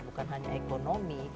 bukan hanya ekonomi